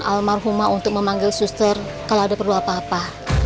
almarhumah untuk memanggil suster kalau ada perlu apa apa